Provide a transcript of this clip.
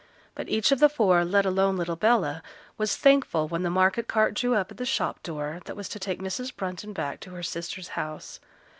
But each of the four, let alone little Bella, was thankful when the market cart drew up at the shop door, that was to take Mrs. Brunton back to her sister's house.